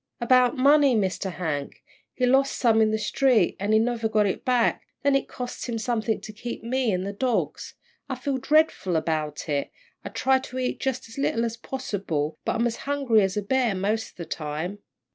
"About money, Mr. Hank. He lost some in the street, and never got it back then it costs something to keep me and the dogs. I feel dreadful about it. I try to eat jus' as little as possible, but I'm as hungry as a bear mos' all the time."